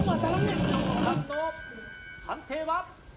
遠藤さんの判定は。